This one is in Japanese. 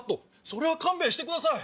それは勘弁してください。